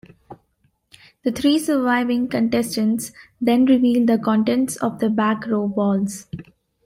The three surviving contestants then reveal the contents of their back-row balls.